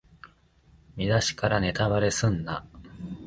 見だしからネタバレすんな